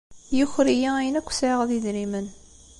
Yuker-iyi ayen akk sɛiɣ d idrimen.